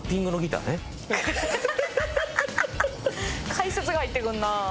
解説が入ってくるな。